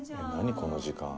この時間。